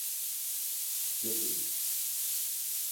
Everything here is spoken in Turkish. Göt herif!